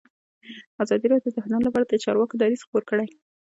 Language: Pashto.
ازادي راډیو د هنر لپاره د چارواکو دریځ خپور کړی.